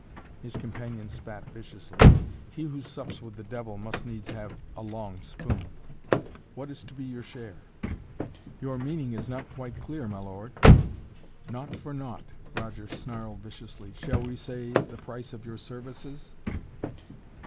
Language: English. His companion spat viciously. "He who sups with the devil must needs have a long spoon. What is to be your share?" "Your meaning is not quite clear, my lord." "Naught for naught!" Roger snarled viciously. "Shall we say the price of your services?"